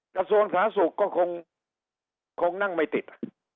กระทรวงสาธารณสุขก็คงนั่งไม่ติด